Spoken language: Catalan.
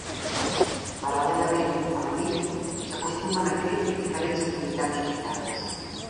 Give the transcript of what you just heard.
Paral·lelament a la nit s'acostumen a fer diferents activitats socials.